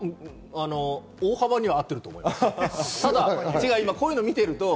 大幅には合ってると思います。